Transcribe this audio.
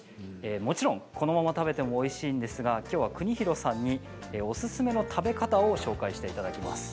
もちろんこのまま食べてもおいしいんですがきょうは邦裕さんにおすすめの食べ方を紹介していただきます。